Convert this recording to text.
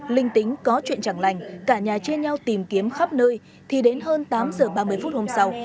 linh tính có chuyện chẳng lành cả nhà chia nhau tìm kiếm khắp nơi thì đến hơn tám giờ ba mươi phút hôm sau